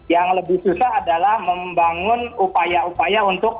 yang lebih susah adalah membangun upaya upaya untuk